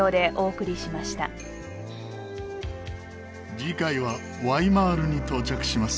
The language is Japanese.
次回はワイマールに到着します。